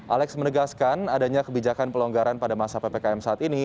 alex menegaskan adanya kebijakan pelonggaran pada masa ppkm saat ini